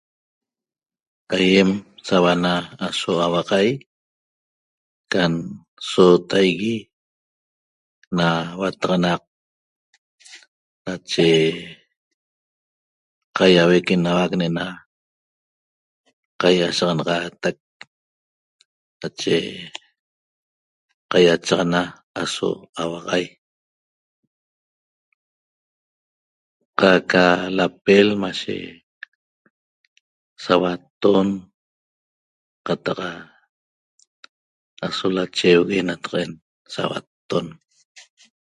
ca ayem sa ahuanaa aso ahuoxaiq cam sotaigue na huataxanaq nache cayahueq enaxac ne'ena caiasaxanaxateq nache caiachaxana aso ahuaxaiq qaq ca lapel maye sahuatton cataxa aso lachee hue nataqa'en sahuatton